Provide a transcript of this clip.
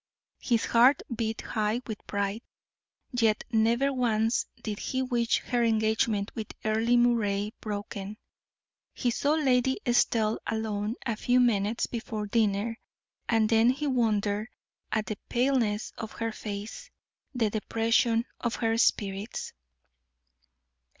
His heart beat high with pride, yet never once did he wish her engagement with Earle Moray broken. He saw Lady Estelle alone a few minutes before dinner, and then he wondered at the paleness of her face, the depression of her spirits.